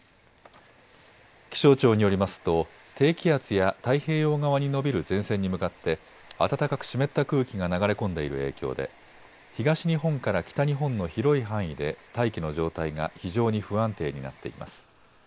気象庁によりますと低気圧や太平洋側に延びる前線に向かって暖かく湿った空気が流れ込んでいる影響で東日本から北日本の広い範囲で大気の状態が非常に不安定になっています。